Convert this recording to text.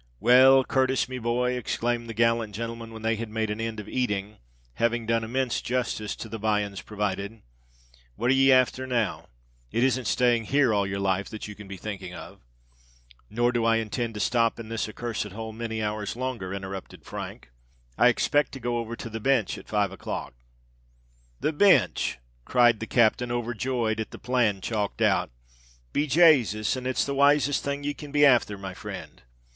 "Well, Cu r r tis, me boy," exclaimed the gallant gentleman, when they had made an end of eating, having done immense justice to the viands provided, "what are ye afther now? It isn't staying here all your life that you can be thinking of——" "Nor do I intend to stop in this cursed hole many hours longer," interrupted Frank. "I expect to go over to the Bench, at five o'clock." "The Binch!" cried the captain, overjoyed at the plan chalked out: "be Jasus! and it's the wisest thing ye can be afther, my frind!